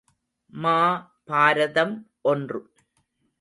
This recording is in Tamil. மா பாரதம் ஒன்று.